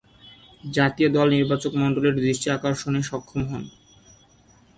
জাতীয় দল নির্বাচকমণ্ডলীর দৃষ্টি আকর্ষণে সক্ষম হন।